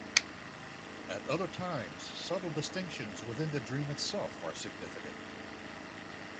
At other times, subtle distinctions within the dream itself are significant.